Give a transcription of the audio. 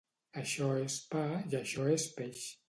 Això és pa i això és peix.